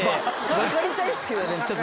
分かりたいっすけどねちょっと。